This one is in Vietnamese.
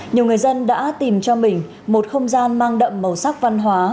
nhiều người dân đã tìm cho mình một không gian mang đậm màu sắc văn hóa